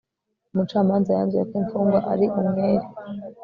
Umucamanza yanzuye ko imfungwa ari umwere